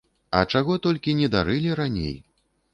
А чаго толькі не дарылі раней!